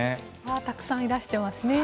たくさんいらしてますね。